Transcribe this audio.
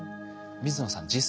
水野さん